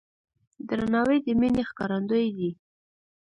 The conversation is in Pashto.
درناوی د مینې ښکارندوی دی.